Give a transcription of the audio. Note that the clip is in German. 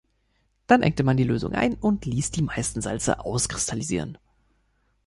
Dann engte man die Lösung ein und ließ die meisten Salze auskristallisieren.